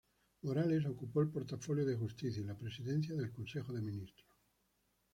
Morales ocupó el portafolio de Justicia y la presidencia del Consejo de Ministros.